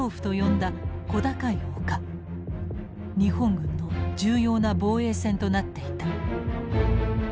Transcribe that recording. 日本軍の重要な防衛線となっていた。